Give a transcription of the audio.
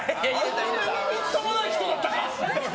あんなみっともない人だったか？